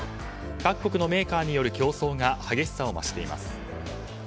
各国のメーカーによる競争が激しさを増しています。